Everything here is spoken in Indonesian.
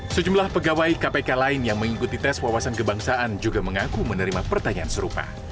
sejumlah pegawai kpk lain yang mengikuti tes wawasan kebangsaan juga mengaku menerima pertanyaan serupa